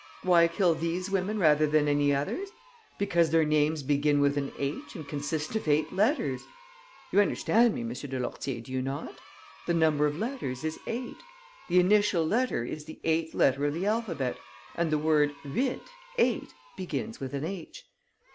Why kill these women rather than any others? Because their names begin with an H and consist of eight letters! You understand me, M. de Lourtier, do you not? The number of letters is eight. The initial letter is the eighth letter of the alphabet; and the word huit, eight, begins with an H.